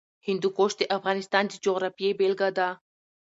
هندوکش د افغانستان د جغرافیې بېلګه ده.